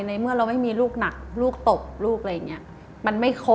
ในเมื่อเราไม่มีลูกหนักลูกตบลูกอะไรอย่างนี้